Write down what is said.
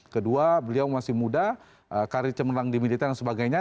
kedua beliau masih muda karir cemerlang di militer dan sebagainya